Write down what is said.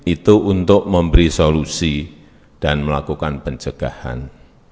itu untuk memberi solusi dan melakukan pencegahan